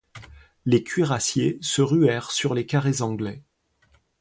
Les cuirassiers se ruèrent sur les carrés anglais.